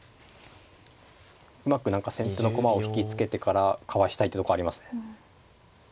うまく何か先手の駒を引き付けてからかわしたいってとこありますね。